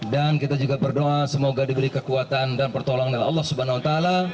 kita juga berdoa semoga diberi kekuatan dan pertolongan oleh allah swt